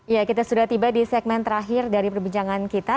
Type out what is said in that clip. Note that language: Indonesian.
ya kita sudah tiba di segmen terakhir dari perbincangan kita